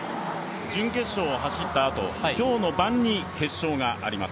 準決勝を走ったあと、今日の晩に決勝があります。